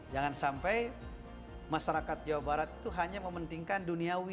jangan sampai masyarakat jawa barat itu hanya mementingkan duniawi